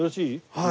はい。